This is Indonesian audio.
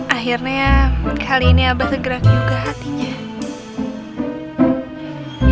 akhirnya kali ini abel segera cuca hatinya